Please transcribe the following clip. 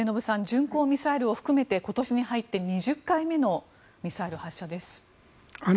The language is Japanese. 巡航ミサイルを含めて今年に入って２０回目のミサイル発射です。